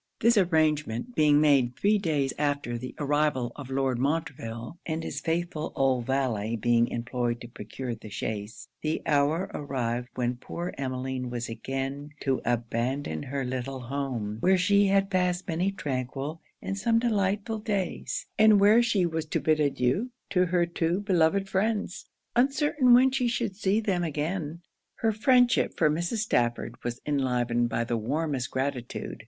This arrangement being made three days after the arrival of Lord Montreville, and his faithful old valet being employed to procure the chaise, the hour arrived when poor Emmeline was again to abandon her little home, where she had passed many tranquil and some delightful days; and where she was to bid adieu to her two beloved friends, uncertain when she should see them again. Her friendship for Mrs. Stafford was enlivened by the warmest gratitude.